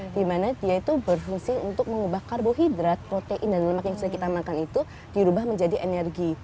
dimana dia itu berfungsi untuk mengubah karbohidrat protein dan lemak yang sudah kita makan itu dirubah menjadi energi